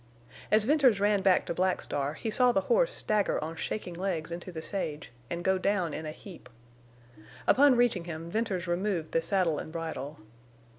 As Venters ran back to Black Star he saw the horse stagger on shaking legs into the sage and go down in a heap. Upon reaching him Venters removed the saddle and bridle.